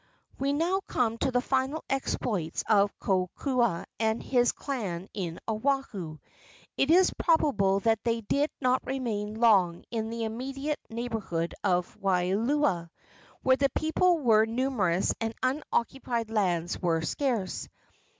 We now come to the final exploits of Kokoa and his clan in Oahu. It is probable that they did not remain long in the immediate neighborhood of Waialua, where the people were numerous and unoccupied lands were scarce.